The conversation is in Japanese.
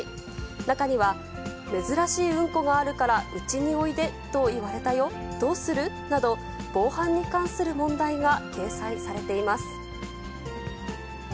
中には、珍しいうんこがあるからうちにおいでと言われたよ、どうする？など、防犯に関する問題が掲載されています。